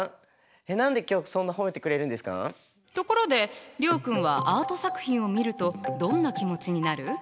ところで諒君はアート作品を見るとどんな気持ちになる？